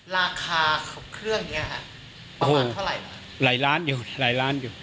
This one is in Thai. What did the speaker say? ราคาของเครื่องเนี้ยฮะประมาณเท่าไหร่หลายล้านอยู่หลายล้านอยู่